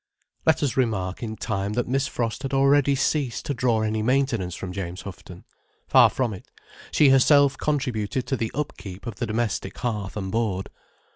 Let us remark in time that Miss Frost had already ceased to draw any maintenance from James Houghton. Far from it, she herself contributed to the upkeep of the domestic hearth and board.